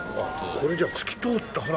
これじゃあ透き通ったほら。